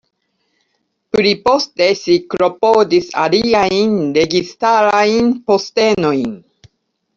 Pliposte, ŝi klopodis aliajn registarajn postenojn.